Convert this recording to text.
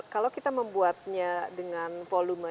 kalau kita membuatnya dengan volume